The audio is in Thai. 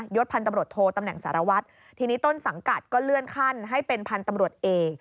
ศพันธ์ตำรวจโทตำแหน่งสารวัตรทีนี้ต้นสังกัดก็เลื่อนขั้นให้เป็นพันธุ์ตำรวจเอก